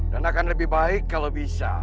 dan akan lebih baik kalau bisa